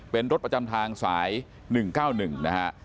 เป็นรถประจำทางสาย๑๙๑นะฮะ